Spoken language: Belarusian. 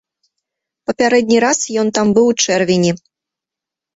Папярэдні раз ён там быў у чэрвені.